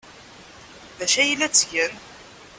D acu ay la ttgen?